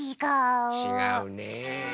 ちがうね。